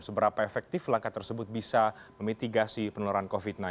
seberapa efektif langkah tersebut bisa memitigasi penularan covid sembilan belas